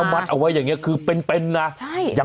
มัดเอาไว้อย่างนี้คือเป็นนะ